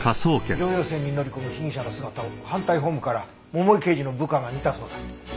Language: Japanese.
城陽線に乗り込む被疑者の姿を反対ホームから桃井刑事の部下が見たそうだ。